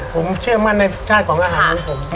ผมเชื่อมั่นในชาติของอาหารของผม